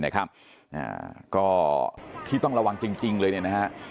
ก็ที่ต้องระวังจริงเลยเนี่ยนะฮะ